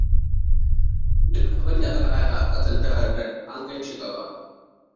Duk abun da aka hada a kasan takardan an kai shi gaba.